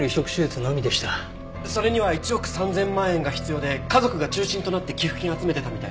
それには１億３０００万円が必要で家族が中心となって寄付金集めてたみたい。